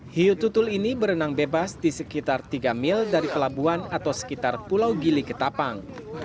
hiu tutul ini berenang bebas di sekitar tiga mil dari pelabuhan atau sekitar pulau gili ketapang